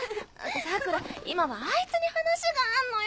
桜良今はあいつに話があんのよ。